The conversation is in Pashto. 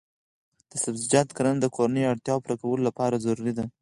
د سبزیجاتو کرنه د کورنیو اړتیاوو پوره کولو لپاره ضروري ده.